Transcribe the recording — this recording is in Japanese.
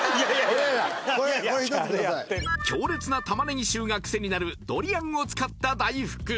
いやいや強烈な玉ねぎ臭がクセになるドリアンを使った大福